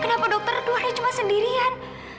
kenapa dokter duanya cuma sendirian